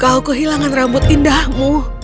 kau kehilangan rambut indahmu